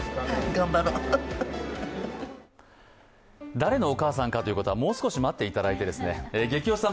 誰のお母さんかということはもう少し待っていただいて「ゲキ推しさん」